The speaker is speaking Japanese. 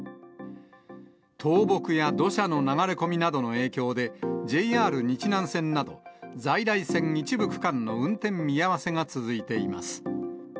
倒木や土砂の流れ込みなどの影響で、ＪＲ日南線など、在来線一部区間の運転見合わせが続いています。